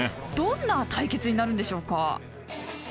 どんな対決になるんでしょうか。